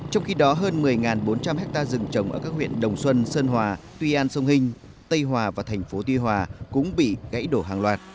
trong khi đó hơn một mươi bốn trăm linh hectare rừng trồng ở các huyện đồng xuân sơn hòa tuy an sông hình tây hòa và thành phố tuy hòa cũng bị gãy đổ hàng loạt